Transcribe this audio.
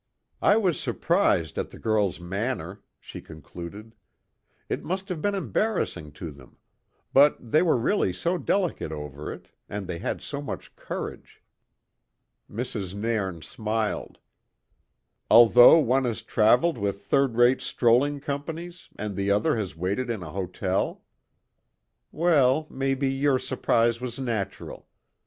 "I was surprised at the girl's manner," she concluded. "It must have been embarrassing to them; but they were really so delicate over it, and they had so much courage." Mrs. Nairn smiled. "Although one has travelled with third rate strolling companies and the other has waited in an hotel? Weel, maybe your surprise was natural.